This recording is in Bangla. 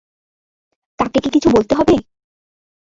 তাকে কি কিছু বলতে হবে?